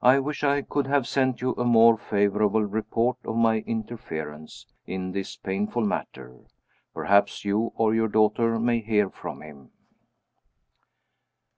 I wish I could have sent you a more favorable report of my interference in this painful matter. Perhaps you or your daughter may hear from him."